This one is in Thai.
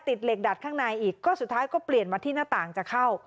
ติดเหล็กดัดข้างในอีกก็สุดท้ายก็เปลี่ยนมาที่หน้าต่างจะเข้า